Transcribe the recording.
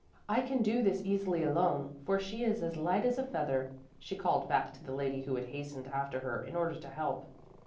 I can do this easily alone, for she is as light as a feather," she called back to the lady who had hastened after her in order to help.